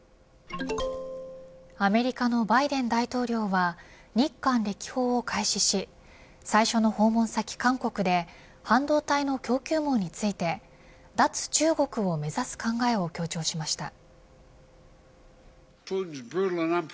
アメリカのバイデン大統領は日韓歴訪を開始し最初の訪問先、韓国で半導体の供給網について脱中国を目指す考えを強調しました。